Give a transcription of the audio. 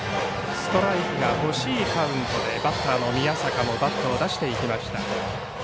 ストライクが欲しいカウントでバッターの宮坂もバットを出していきました。